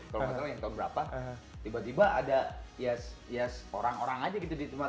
kalau nggak salah yang tahun berapa tiba tiba ada ya orang orang aja gitu di tempat